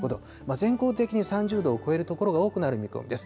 全国的に３０度を超える所が多くなる見込みです。